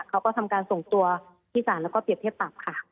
เขาก็ทำการส่งตัวที่ศาลแล้วก็เปรียบเทียบปรับค่ะ